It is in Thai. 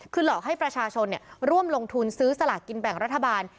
คือหลอกให้ประชาชนร่วมลงทุนซื้อสลากกินแบ่งรัฐบาล